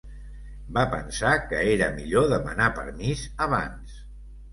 Va pensar que era millor demanar permís abans.